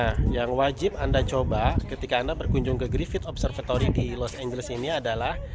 nah yang wajib anda coba ketika anda berkunjung ke griffith observatory di los angeles ini adalah